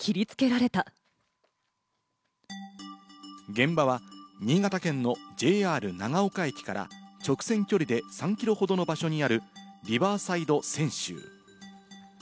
現場は新潟県のＪＲ長岡駅から直線距離で３キロほどの場所にあるリバーサイド千秋。